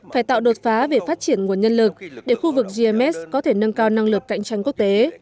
phải tạo đột phá về phát triển nguồn nhân lực để khu vực gms có thể nâng cao năng lực cạnh tranh quốc tế